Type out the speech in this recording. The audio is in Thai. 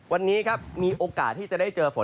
วันนี้ครับมีโอกาสที่จะได้เจอฝน